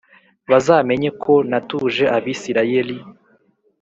bazamenye ko natuje Abisirayeli